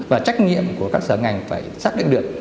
và trách nhiệm của các sở ngành phải xác định được